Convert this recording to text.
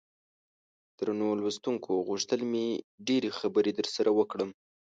درنو لوستونکو غوښتل مې ډېرې خبرې درسره وکړم.